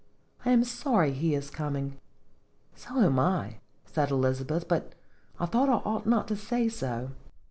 I am sorry he is coming." "So am I," said Elizabeth; "but I thought I ought not to say so."